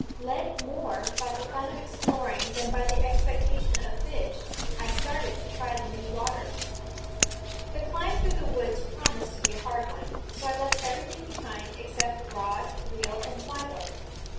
Led more by the fun of exploring than by the expectation of fish, I started to try the new waters. The climb through the woods promised to be a hard one, so I left everything behind except rod, reel, and fly book.